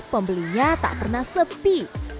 pembelinya tak pernah sepi